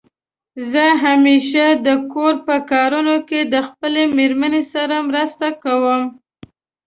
زه همېشه دکور په کارونو کې د خپلې مېرمنې سره مرسته کوم.